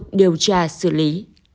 được điều tra xử lý